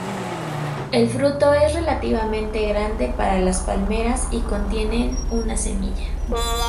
El fruto es relativamente grande para las palmeras y contienen una semilla.